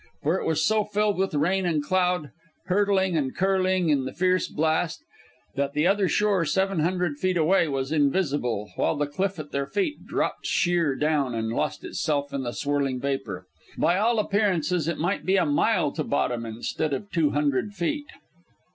For it was so filled with rain and cloud, hurtling and curling in the fierce blast, that the other shore, seven hundred feet away, was invisible, while the cliff at their feet dropped sheer down and lost itself in the swirling vapor. By all appearances it might be a mile to bottom instead of two hundred feet.